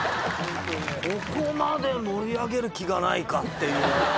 ここまで盛り上げる気がないかっていう。